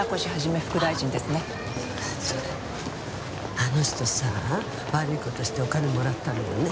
あの人さ悪い事してお金もらったんだよね？